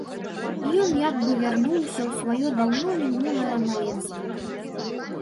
Ён як бы вярнуўся ў сваё, даўно мінулае, маленства.